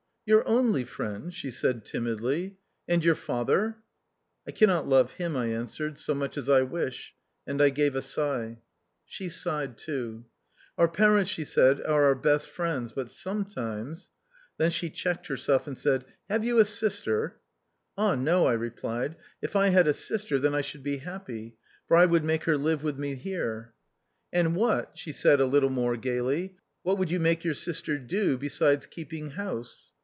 " Your only friend," she said timidly, " and your father ?"" I cannot love him," I answered, " so much as I wish ;" and I gave a sigh. She sighed too. " Our parents," she said, "are our best friends, but sometimes ." Then she checked herself, and said, " Have you a sister ?"" Ah, no," I re plied, "if I had a sister then I should be THE OUTCAST. 79 liapp}^, for I would make her live with me here." " And what," she said a little more gaily, " what would you make your sister do — besides keeping house